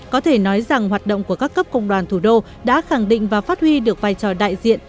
có thể nói rằng hoạt động của các cấp công đoàn thủ đô đã khẳng định và phát huy được vai trò đại diện